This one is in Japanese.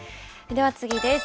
では次です。